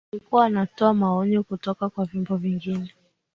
alikuwa anatoa maonyo kutoka kwa vyombo vingine